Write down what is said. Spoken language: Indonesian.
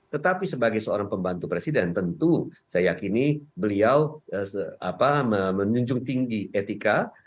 tetapi sebagai seorang pembantu presiden tentu saya yakini beliau menunjung tinggi etika